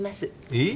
えっ？